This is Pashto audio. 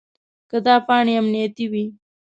که دا پاڼې امنیتي وي.